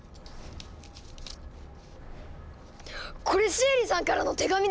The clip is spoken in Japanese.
これシエリさんからの手紙ですよ！